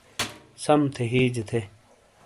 سم تھے ہیجے تھے۔